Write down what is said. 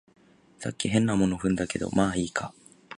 さっき変なもの踏んだけど、まあいいか